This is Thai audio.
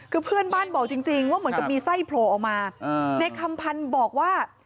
คือเพื่อนบ้านบอกจริงว่าเหมือนกับมีไส้โผล่ออกมาในคำพันธ์บอกว่า